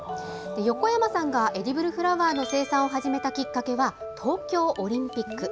横山さんがエディブルフラワーの生産を始めたきっかけは、東京オリンピック。